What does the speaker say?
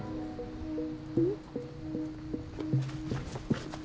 うん？